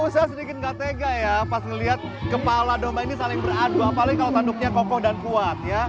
saya sedikit nggak tega ya pas ngeliat kepala domba ini saling beradu apalagi kalau tanduknya kokoh dan kuat ya